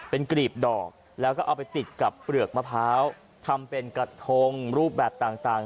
เป็นกรีบดอกแล้วก็เอาไปติดกับเปลือกมะพร้าวทำเป็นกระทงรูปแบบต่าง